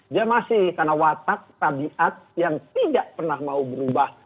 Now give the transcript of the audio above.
dia masih karena watak tabiat yang tidak pernah mau berubah